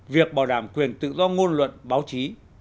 việc bảo đảm quyền tự do ngôn luận báo chí